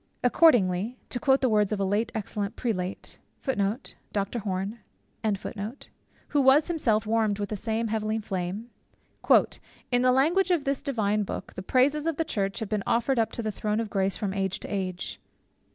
Accordingly (to quote the words of a late excellent prelate, who was himself warmed with the same heavenly flame) "in the language of this divine book, the praises of the church have been offered up to the Throne of Grace from age to age."